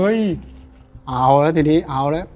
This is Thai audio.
เอาแล้วทีนี้เอาแล้ว